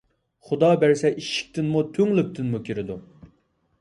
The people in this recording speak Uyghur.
خۇدا بەرسە ئىشىكتىنمۇ، تۈڭلۈكتىنمۇ كىرىدۇ